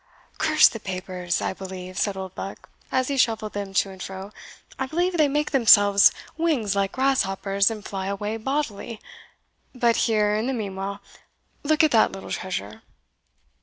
"Curse the papers! I believe," said Oldbuck, as he shuffled them to and fro "I believe they make themselves wings like grasshoppers, and fly away bodily but here, in the meanwhile, look at that little treasure."